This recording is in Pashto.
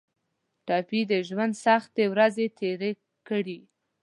ټپي د ژوند سختې ورځې تېرې کړي.